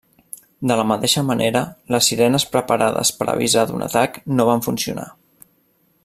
De la mateixa manera, les sirenes preparades per avisar d'un atac no van funcionar.